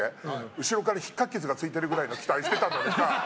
後ろからひっかき傷がついてるぐらいの期待してたのにさ。